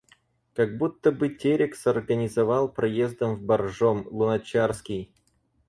Как будто бы Терек сорганизовал, проездом в Боржом, Луначарский.